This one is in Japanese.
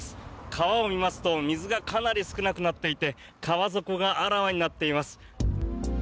川を見ますと水がかなり少なくなっていて川底があらわになっています。